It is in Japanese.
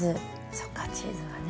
そっかチーズがね。